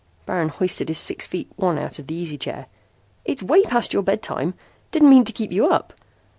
Baron hoisted his six feet one out of the easy chair. "It's way past your bedtime. Didn't mean to keep you up."